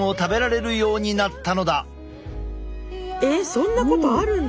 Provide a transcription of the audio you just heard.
そんなことあるんだ？